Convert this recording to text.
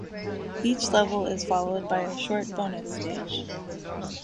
Each level is followed by a short bonus stage.